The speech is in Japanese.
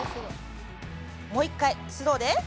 もう一回、スローで。